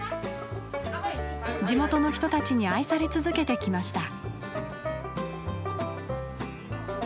地元の人たちに愛され続けてきました。